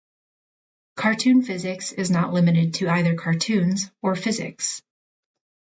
"Cartoon physics" is not limited to either cartoons or physics.